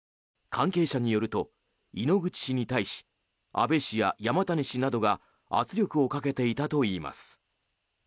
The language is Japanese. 関係者によると猪口氏に対し安倍氏や山谷氏などが圧力をかけていたといいます。